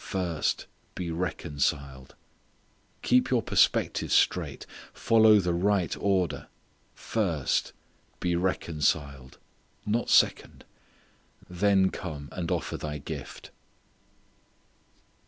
"First, be reconciled" keep your perspective straight follow the right order "first be reconciled" not second; "then come and offer thy gift."